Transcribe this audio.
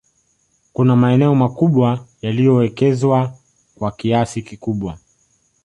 kuna maeneo makubwa yaliyowekezwa kwa kiasi kikubwa